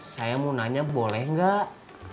saya mau nanya boleh nggak